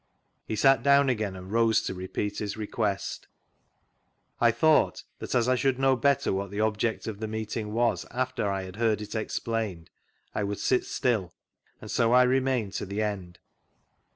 He sat down again and rose to repeat his request. I thought that as I should know better what the object of the meetii^ was after I had heard it exfdained, I would sit still, and so I remained to the end.